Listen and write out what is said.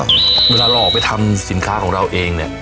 เวลาเราออกมาคุณไปทำสินค้าเราเองเนี่ย